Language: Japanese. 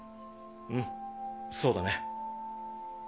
うんそうだね。